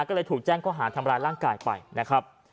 ก็เลยถูกแจ้งข้อหาทำร้ายร่างกายไปนะครับ